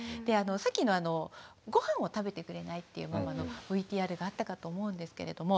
さっきのごはんを食べてくれないっていうママのＶＴＲがあったかと思うんですけれども。